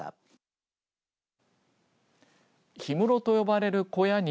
氷室と呼ばれる小屋に